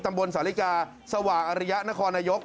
ตำบลสาวริกาสวรรยะนครนายก